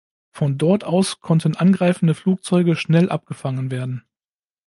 Von dort aus konnten angreifende Flugzeuge schnell abgefangen werden.